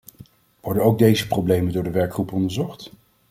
Worden ook deze problemen door de werkgroep onderzocht?